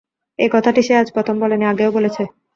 এই কথাটি সে আজ প্রথম বলে নি, আগেও বলেছে।